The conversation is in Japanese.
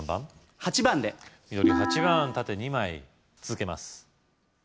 ８番で緑８番縦２枚続けます